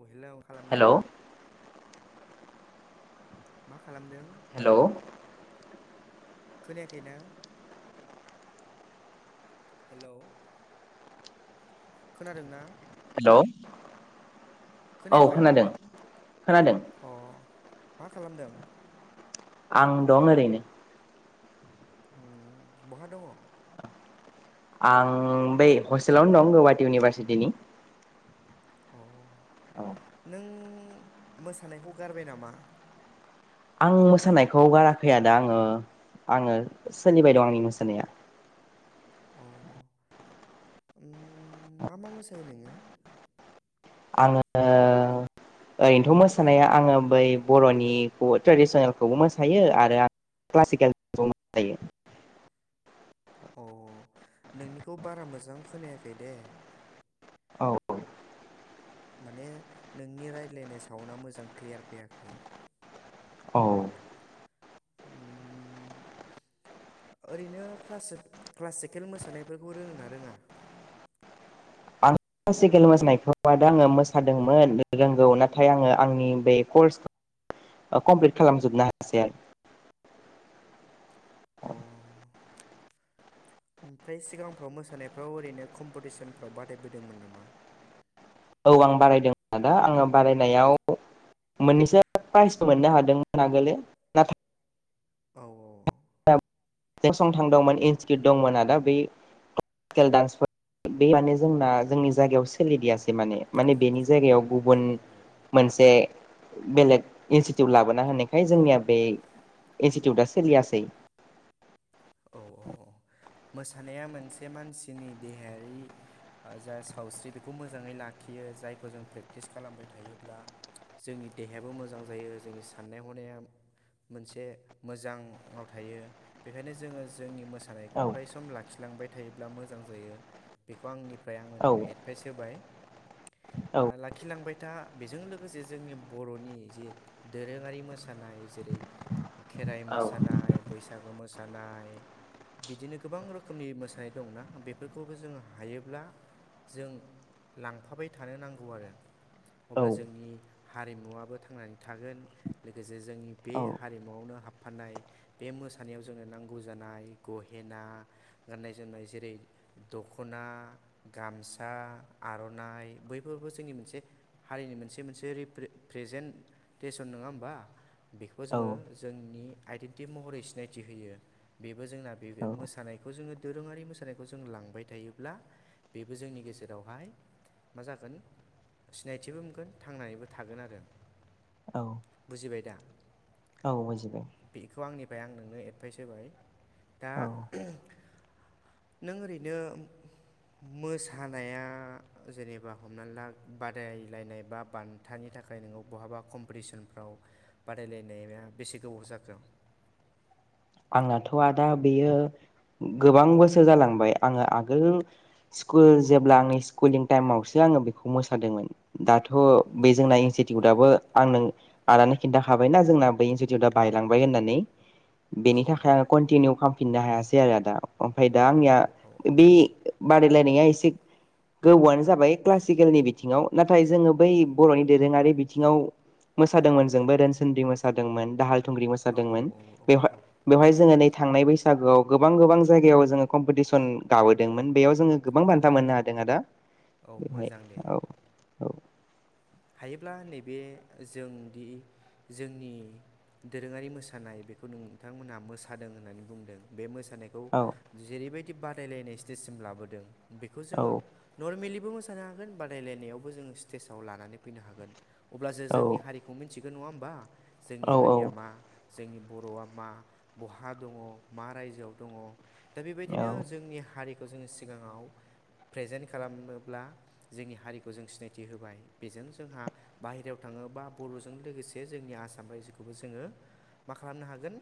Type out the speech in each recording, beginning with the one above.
अ hello hello खालामदों। मा खालामदों हेलौ खोनायाखैना। हेलौ। खोनादोंना। हेलौ औ खोनायाखै खोनादों खोनादों। अ मा खालामदों। आं दं ओरैनो। ओम बहा दङ। आं बै हस्टेलावनो दं गुवहाटि इउनिभारसिटिनि। औ। औ। नो मोसानायखौ गारबाय नामा। आं मोसानायखौ गाराखै आदा आङो। आङो सोलिबाय दं आंनि मोसानाया। अ ओइ मा मा मोसायो नोङो। आङो। ओरैनोथ' मोसानाया आङो बै बर'निखौ ट्रेडिसनेलखौबो मोसायो आरो आं। क्लासिकेल जायो [unintelligible] औ नोंनिखौ बारा मोजां खोनायाखै दे औ औ। माने नोंनि रायज्लायनाय सावनाआ मोजां क्लियार फैयाखै औ। [inaudible] ओरैनो क्लास क्लासिकेल मोसानायफोरखौ रोङ ना रोङा? [inaudible] आं क्लासिकेल दाआङो मोसादोंमोन रोंगौ नाथाय आङो आंनि बे करस कमप्लिट खालामजोबनो हासै आरो अ ओमफ्राय सिगांफ्राव मोसानायफ्राव ओरैनो कम्पिटिसनफ्राव बादायबोदोंमोन नामा औ आं बारायदों आदा आङो बारायनायाव मोननैसो प्राइजखो मोननो हादोंमोन आगोल नाथाय औ औ सं थांदोंमोन इनस्टिकिउट दंमोन आदा बै क्लासिकेल दडान्सफोर बे माने जोंना जोंनि जायगायाव सोलिदियासै माने माने बेनि जायगायाव औ गुबुन मोनसे बेलेग इनस्टिटिउट लाबोना होनायखाय जोंनिया बे इन्स्टिउटा सिलियासै औ औ मोसानाया मोनसे मानसिनि देहायारि जा सावस्रि बेखौ मोजाङै लाखियो बियो जायखौ जों प्रेकटिस खालामबाय थायोब्ला जोंनि देहायाबो मोजां जायो जोंनि साननाय हनाया मोनसे मोजाङाव थायो बेखायनो जोङो जोंनि मोसानाय औ अराय सम लाखिलांबाय थायोब्ला मोजां जायो बेखौ आंनिफ्राय आङो औ नोंनो एडभाइस होबाय। औ लाखिलांबाय था बेजों लोगोसे जोंनि बर'नि जे दोरोङारि मोसानाय जेरै खेराइ औ मोसानाय बैसागु मोसानाय बिदिनो गोबां रोखोमनि मोसानाय दंना बेफोरखौबो जोङो हायोब्ला जों लांफाबाय थानो नांगौ आरो अब्ला औ जोंनि हारिमुवाबो थांनानै थागोन लोगोसे जोंनि बे हारिमुवआवनो हाबफानाय बे मोसानायाव जोंनो नांगौ जानाय गहेना गाननाय जोमनाय जेरै दख'ना गामसा आर'नाइ बैफोरबो जोंनि मोनसे हारिनि मोनसे मोनसे रिफेस प्रेजेन्ट थिसन नङो नङा होमबा बेखौबो औ जोङो औ जोंनि आइडेन्टिटि महरै सिनायथि होयो बेबो जोंना बे मोसानायखौ जोङो दोरोङारि मोसानायखौ जों लांबाय थायोब्ला बेबो जोंनि गेजेरावहाय मा जागोन सिनायथिबो मोनगोन थांनानैबो थागोन आरो औ बुजिबाय दा। औ बुजिबाय। एमफाइ आं नोंनो एडभाइस होबाय दा औ नों ओरैनो मोसानाया जेनेबा हमना ला बादायलायनाय बा बान्थानि बेनि थाखाय ननोङो बहाबा कम्पिटिसनफ्राव बादायलायनाया बेसे गोबाव जाखो। [inaudible] आंनाथ' आदा बेयो गोबां बोसोर जालांबाय आङो आगोल स्कुल जेब्ला आंनि स्कुलिं टाइमावसो आंङो बेखौ मोसादों मोनो दाथ' बे जोंना इउसुदाबो आं आनो खिन्थााय बेना जोंना इउसुदा बाइलांबाय होननानै औ बेनि थाखाय आङो कन्टिनिउ खालामफिननो हायासै आरो आदा बाइ दा आंनिया औ औ बे बादायलायनाया एसे [inaudible] गोबौआनो जाबाय क्लासिकेलनि बिथिङाव नाथाय जोङो बै बर'नि दोरोङारि बिथिङाव मोसादोंमोन जोंबो रोनसोन्रि मोसादोंमोन दाहाल थुंग्रि औ मोसादोंमोन औ बेवहाय औ बेवहाय जोङो थांनाय बैसागोआव गोबां गोबां जायगायाव जोङो कमपिटिसन गाबोदोंमोन बेयाव जोङो गोबां औ बान्था मोननो औ हादों आदा औ बेवहाय मोजां दे औ औ थायोब्ला नैबे जोंदि जोंनि दोरोङारि मोसानाय बेखौ नोंथांमोनहा मोसादों होननानै बुंदों बे मो मोसानायखौ औ जेरैबायदि बादायनाय स्तेजसिम लाबोदों बेखौ औ जोङो नमेलि बो मोसानो हागोन बादायलायनायावबो जों स्टेजाव लानानै फैनो हागोन अब्लासो जोंनि हारिखौ मोनथि बे नङा होमबा औ जोंनि हारिया मा जोंनि बर'आ मा बहा दङ मा रायजोआव दङ दा औ बेबायदिनो जोंनि हारि बेखौ जोङो सिगाङाव प्रेजेन्ट खालामोब्ला जोंनि हारिखौ जों सिनायथि होबाय बेजों जोंहा बाहेरायाव थाङो बा बर'जों लोगोसे जोंनि आसाम रायजोखौबो जोङो मा खालामनो हागोन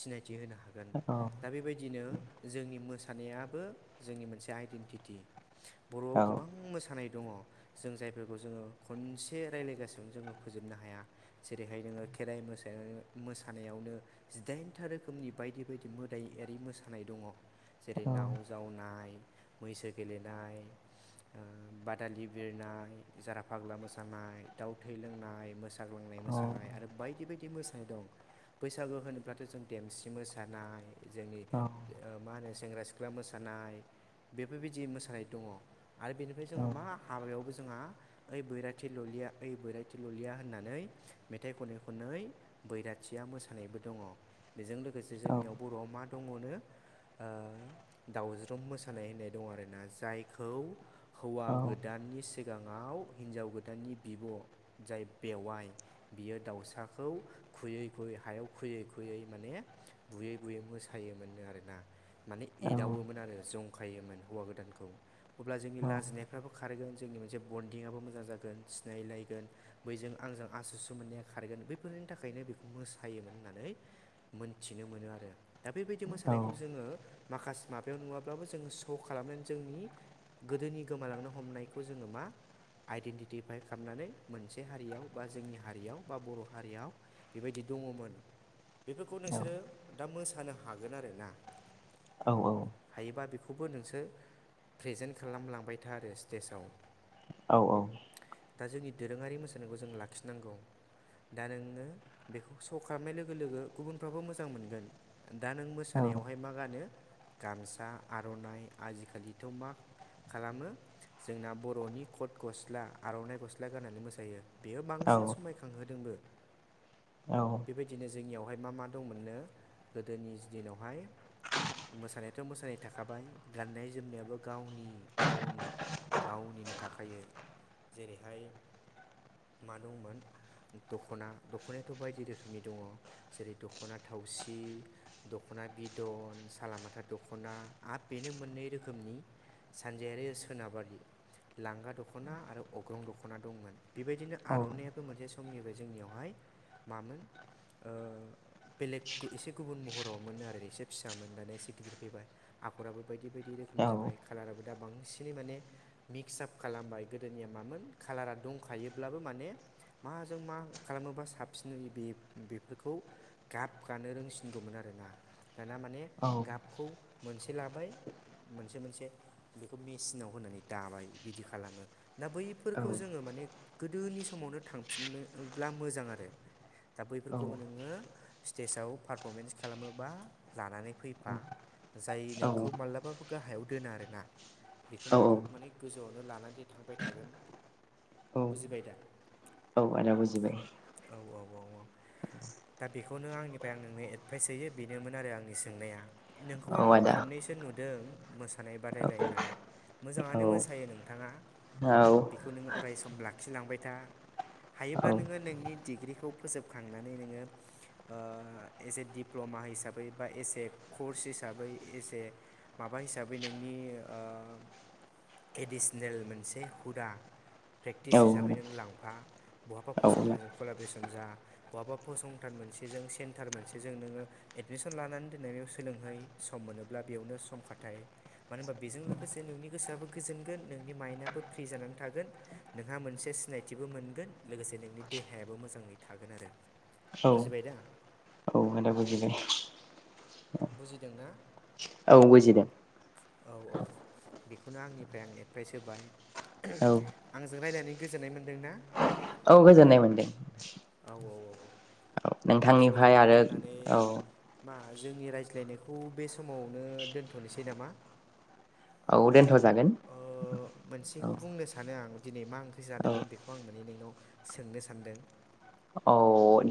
सिनायथि होनो हागोन औ दा बेबायदिनो जोंनि मोस मोसानायाबो जोंनि मोनसे आइडेन्टित औ बर'आव औ गोबां मोसानाय दङ जों जाय बेफोरखौ जोङो खनसे रायज्लायगासिनो जोङो फोजोबनो हाया जेरैहाय नोङो खेराइ मोसानानै मोसानायावनो जिदाइनथा रोखोमनि बायदि बायदि मोदायि मोसानाय दङ। जेरै नाव जावनाय मैसो गेलेनाय बादालि बिरनाय जारा फाग्ला मोसानाय दाव थै लोंनाय मोसाग्लांनाय मोसानाय आरो बायदि बायदि मोसानाय दं बैसागु होनोब्लाथ' जों देमसि मोसानाय जोंनि मा होनो सेंग्रा सिख्ला मोसानाय बेफोरबायदि मोसानाय दङ आरो बेनिफ्राय जोंहा मा हाबायावबो जों जोंहा ओइ बैराथि ललिया ओइ बैराथि ललिया होननानै मेथाइ खनै खनै बैराथि थिया मोसानायबो दङ बेजों लोगोसे जोंनियाव बर'आव मा दङनो दावज्रुम मोसानाय होननाय दं आरोना जायखौ हौवा गोदाननि सिगाङाव हिनजाव गोदाननि बिब' जाय बेवाइ बियो दाउसाखौ खुयै खुयै बै हायाव खुयै खुयै माने बुयै बुयै मोसायोमोनो आरोना माने एदावोमोन आरो जंखायोमोन हौवा गोदानखौ अब्ला जोंनि लाजिनायफ्राबो खारगोन जोंनि मोनसे बन मिदिंआो मोजां जागोन सिनायलायगोन बैजों आंजों आस स मोन्नाया खारगोन बैफोरनि थाखायनो बेखौ मोसायोमोन होननानै मोनथिनो मोनो आरो दा बेबायदि मोसानायखौ जोङो माखासे माबायाव नुवाब्लाबो जोङो श' खालामनानै जोंनि गोदोनि गोमालांनो हमनायखौ जोङो मा आइडेन्टिफाइ खालामनानै मोनसे हारियाव बा जोंनि हारियाव बा बर' हारियाव बेबायदि दङमोन बेफोरखौ नोंसोरो दा मोसानो हागोन आरोना। औ औ हायोबा बेखौबो नोंसोर प्रेजेन्ट खालामलांबाय था आरो स्टेजाव दा जोंनि दोरोङारि मोसानायखौ जों लाखिनांगौ दा नोङो बेखौ स' खालामनाय लोगो लोगो गुबुनफ्राबो मोजां मोनगोन दा नों मोसानायावहाय मा गानो गामसा आर'नाइ आजिखालिथ' मा खालामो जोंना बर'नि कट गस्ला आर'नाइ गस्ला गाननानै मोसायो बेयो औ बांसिन समायखांहोदोंबो औ बेबायदिनो जोंनियावहाय मा मा दंमोननो गोदोनि दिनावहाय मोसानायाथ' मोसानाय थाखाबाय गाननाय जोमनायाबो गावनि अन गावनिनो थाखायायो जेरैहाय मा दंमोन दख'ना दख'नायाथ' बायदि रोखोमनि दङ जेरै दख'ना थावसि दख'ना ना बिदन सालालामाथा दख'ना आरो बेनो मोननै रोखोमनि सानजारि सोनाबारि लांगा दख'ना आरो अग्रं दख'ना दंमोन बेबायदिनो औ आर'नायइाबो मोनसे समनिफ्राय जोंनियावहाय मामोन ओ बेलेग एसे गुबुन महराव मोनो आरो एसे फिसा मोन दाना एसे गिदिर फैबाय आगराबो बायदि-बायदि बायदि रोखोमनि जाबाय कालाराबो दा बांसिनै माने मि [unintelligible] खालामबाय गोदोनिया मामोन कालारा दंखायोब्लाबो माने माजों मा खालामोबा साबसिनयो बे बेफोरखौ गाब गानो रोंसिनगौमोन आरो ना दाना माने औ गाबखौ मोनसे लाबाय मोनसे-मोनसे बेखौ मेसिनाव होनानै दाबाय बिदि खालामो। दा औ बैफोरखौ जोङो माने गोदोनि समावनो थांफिननोब्ला मोजां आरो। दा औ बैफोरखौ नोङो स्टेजाव पारफरमेन्स खालामोबा लानानै फैफा जाय औ नोंखौ मालाबाबो गाहायाव दोना आरो ना बेखौ नोंखौ औ माने खौनो लानानै थांबाय थागोन बुजिबाय दा औ-औ आदा बुजिबाय। औ-औ दा बेखौनो आंनिफ्राय आं नोंनो एडभायेस होयो बेनोमोन आरो आंनि सोंनाया। नोंखौ औ आङो आदा खननैसो नुदों मोसानाय औ बादायलायनाय औ मोजाङानो मोसा फोथायो नोंथाङा औ बेखौ नोङो अराय सम लाखिलांबाय था। हायोब्ला नोङो नोंनि डिग्रिखौ फोजोबखांनानै नोङो ओ एस ए डिप्ल'मा मा हिसाबै बा एसे कर्स हिसाबै एसे माबा हिसाबै नोंनि ओ एडिसनेल मोनसे हुदा औ प्रेक्टिस हिसाबै नों लांफा बहाबा फसंथानजों कलाब्रेसन जा बहाबा फसंथान मोनसेजों सेन्टार मोनसेजों नोङो एडमिसन लानानै दोननाय बेयाव सोलोंहै सम मोनोब्ला बेयावनो सम खाथायो मानो होनबा बेजों लोगोसेनो नोंनि गोसोआबो गोजोनगोन नोंनि मायेन्दआबो फ्रि जानानै थागोन नोंहा मोनसे सिनायथिबो मोनगोन लोगोसे नोंनि देहायाबो मोजाङै थागोन आरो। औ-औ बुजिबाय दा होननाा बुजिदों। बुजिदों ना। औ बुजिदों। औ-औ बेखौनो आंनिफ्राय आं एडभाइस होबाय औ आंजों रायजनानै गोजोन्नाय मोन्दों ना? औ गोजोननाय मोनदों। औ-औ-औ औ नोंथांनिफ्राय बेखिनिखौनो आरो बुंनानै औ मा जोंनि रायज्लायनायखौ बे समावनो दोनथ'नोसै नामा। औ दोनथ'जागोन। औ बेखौ बुंनो सानो आं दिनै मा ओंख्रि औ जादोंमोन बेखौ आं माने नोंनाव सोंनो सान्दों। औ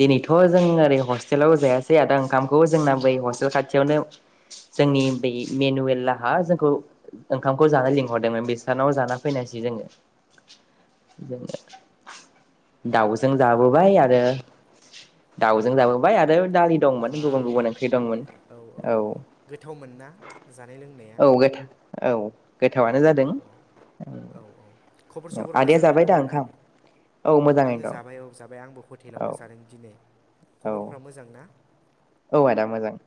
दिनैथ' जों ओरै हस्टेलाव जायासै आदा ओंखामखौ जोंना बै हस्टेल खाथियावनो जोंनि बै मेनुयेललाहा जोंखौ ओंखामखौ जानो लिंहरदोंमोन बिस्रानाव जाना फैनायसै जोङो। [inaudible] जोङो दाउजों औ औ औ जाबोबाय औ आरो औ दाउजों जाबोबाय आरो दालि दंमोन गुबुन- बाव गुबुन ओंख्रि दंमोन औ। गोथावमोन ना जानाय लोंनाया औ गोथां औ औ गोथावानो जादों। औ औ औ औ खबर सबर आदाया मोजाङै जाबाय दङ दा ना ओंखाम औ आङो मोजाङैनो दं जाबाय औ जाबाय आंबो औ हटेलावनो जादों। आं दिनै औ खबरफ्रा मोजां ना? औ आदा मोजांव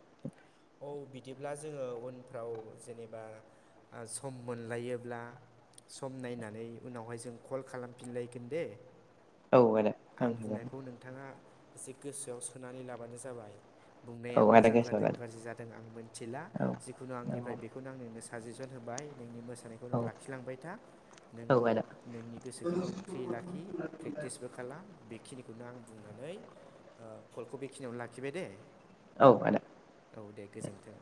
औ बिदिब्ला जोङो उनफ्राव जेनेबा ओ सम मोनलायोब्ला सम नायनानै उनावहाय जों कल खालामफिनलायगोन दे औ आदा आं बुंनायखौ नोंथाङा एसे गोसोआव सोनानै लाबानो जाबाय। बुंनाया औ आदा मोजां गोसोआव जादों लादो गाज्रि जादों आं मिथिला औ जिखुनु आंनिफ्राय बेखौनो आं नोंनो सा साजेसन होबाय नोंनि मोसानायखौ नों औ औ लाखिलांबाय था। नोङो आदा नोंनि गोसोखौबो फ्रि लाखि प्रेक्टिसबो खालाम बेखिनिखौनो आं बुंनानै कलखौ बेखिनियावनो लाखिबाय दे औ आदा औ औ दे गोजोन्थों